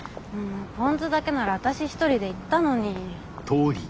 ポン酢だけなら私一人で行ったのに。